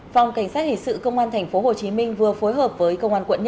phòng cảnh sát hình sự công an tp hcm vừa phối hợp với công an quận một